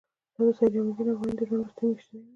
دا د سید جمال الدین افغاني د ژوند وروستۍ میاشتې وې.